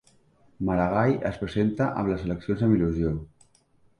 Maragall es presenta a les eleccions amb il·lusió